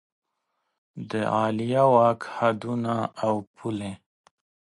د عالیه واک حدونه او پولې